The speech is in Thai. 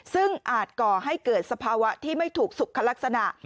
ซึ่งอาจก่อให้เกิดสภาวะที่ไม่ถูกสุขลักษณะ